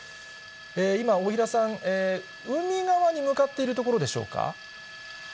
今、大平さん、海側に向かっているところでしょうか。